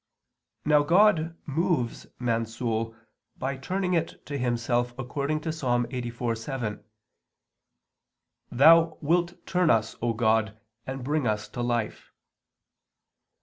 Now God moves man's soul by turning it to Himself according to Ps. 84:7 (Septuagint): "Thou wilt turn us, O God, and bring us to life."